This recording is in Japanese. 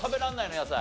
野菜。